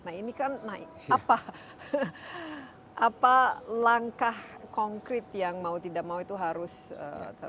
nah ini kan apa langkah konkret yang mau tidak mau itu harus